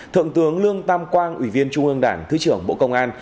thượng tướng lương tam quang ủy viên trung ương đảng thứ trưởng bộ công an